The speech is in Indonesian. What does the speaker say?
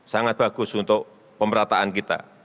sangat bagus untuk pemerataan kita